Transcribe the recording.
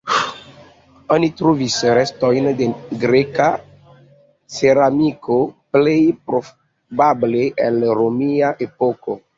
Oni trovis restojn de greka ceramiko, plej probable el romia epoko.